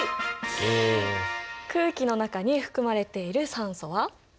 空気の中に含まれている酸素は？